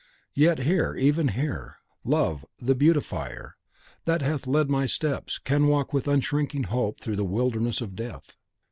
Yet here, even here, Love, the Beautifier, that hath led my steps, can walk with unshrinking hope through the wilderness of Death.